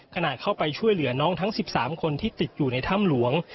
ขณะเข้าไปช่วยเหลือน้องทั้ง๑๓คนที่ติดอยู่ในถ้ำหลวง